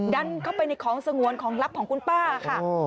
ดันเข้าไปในของสงวนของลับของคุณป้าค่ะ